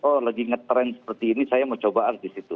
oh lagi ngetrend seperti ini saya mau coba artis itu